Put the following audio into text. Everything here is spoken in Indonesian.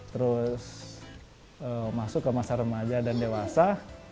terus masuk ke masa remaja dan dewasa